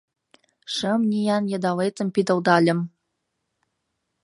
Шым ниян йыдалетым пидылдальым